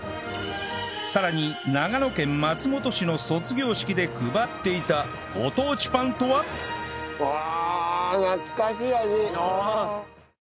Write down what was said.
さらに長野県松本市の卒業式で配っていたご当地パンとは？わあ！